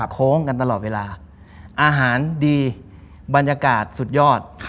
โค้งกันตลอดเวลาอาหารดีบรรยากาศสุดยอด